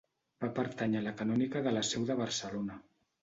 Va pertànyer a la canònica de la seu de Barcelona.